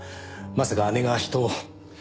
まさか姉が人を。